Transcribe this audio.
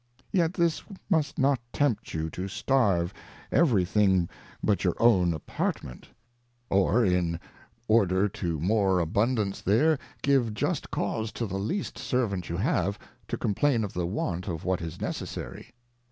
Yet this must not tempt you to starve every thing but your own Appartment ; 26 Advice to a Daughter. Appartment; or in order to more abundance there, give just cause to the least Servant you have, to complain of the Want of what is necessary.